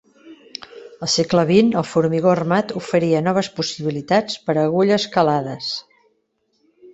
Al segle XX, el formigó armat oferia noves possibilitats per a agulles calades.